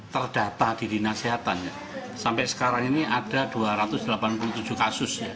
pertama di bidang kususnya ada dua ratus dua puluh tujuh kasus